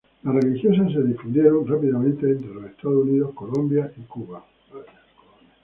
Las religiosas se difundieron rápidamente en los Estados Unidos, Colombia y Cuba..